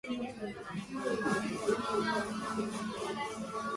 The hand has been moulded into fitness for manipulating things.